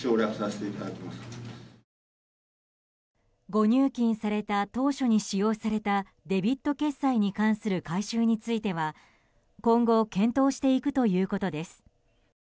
誤入金された当初に使用されたデビット決済に関する回収については今後検討していくということです。